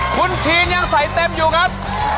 คุณทีนยังใส่เต็มอยู่ครับ